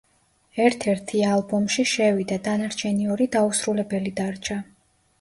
ერთ-ერთი ალბომში შევიდა, დანარჩენი ორი დაუსრულებელი დარჩა.